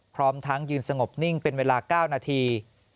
พร้อมทั้งยืนสงบนิ่งเป็นเวลา๙นาที